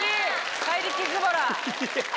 怪力ズボラ。